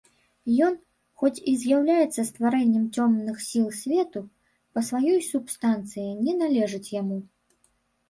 Ён, хоць і з'яўляецца стварэннем цёмных сіл свету, па сваёй субстанцыі не належыць яму.